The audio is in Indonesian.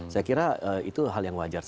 saya kira itu hal yang wajar